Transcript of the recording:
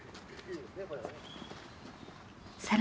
更に。